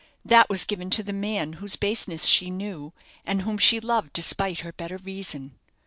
That was given to the man whose baseness she knew, and whom she loved despite her better reason.